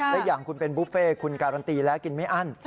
และอย่างคุณเป็นบุฟเฟ่คุณการันตีแล้วกินไม่อั้น